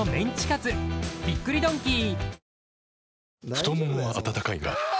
太ももは温かいがあ！